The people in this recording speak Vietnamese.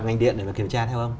ngành điện để kiểm tra theo không